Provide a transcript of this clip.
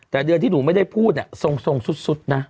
แต่เดือนที่หนูไม่ได้พูดทรงสุดนะ